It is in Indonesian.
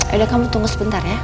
ya udah kamu tunggu sebentar ya